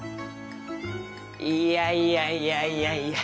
いやいやいやいやいや。